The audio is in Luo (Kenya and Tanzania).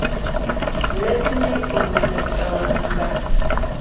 Lesni orum ewang’ sa